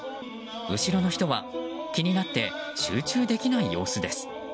後ろの人は気になって集中できない様子です。